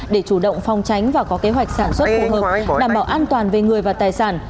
để chủ động phòng tránh và có kế hoạch sản xuất phù hợp đảm bảo an toàn về người và tài sản